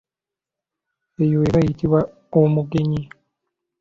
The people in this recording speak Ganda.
Eyo eba eyitibwa omugenyi.